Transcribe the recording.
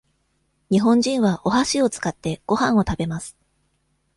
日本人はおはしを使って、ごはんを食べます。